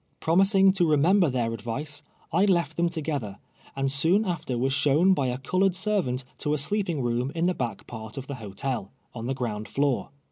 Promising to remember their advice, I left them to gether, and soon after was shown by a colored ser vant to a sleeping room in the back part of the hotel, on the ground tioor.